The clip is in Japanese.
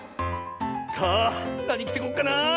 さあなにきてこっかなあ。